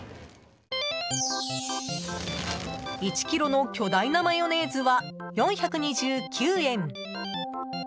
１ｋｇの巨大なマヨネーズは４２９円。